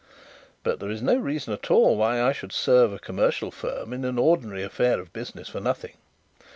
But there is no reason at all why I should serve a commercial firm in an ordinary affair of business for nothing.